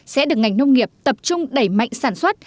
sẽ được ngành nông nghiệp tập trung đẩy mạnh sản xuất